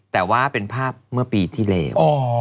แต่ว่าเป็นภาพเมื่อปีที่แล้ว